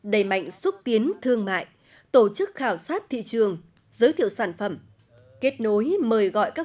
đẩy mạnh xúc tiến thương mại tổ chức khảo sát thị trường giới thiệu sản phẩm kết nối mời gọi các